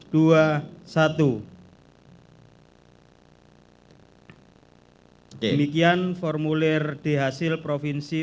demikian formulir di hasil provinsi